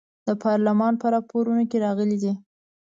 د پارلمان په راپورونو کې راغلي دي.